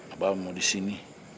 abah mau di sini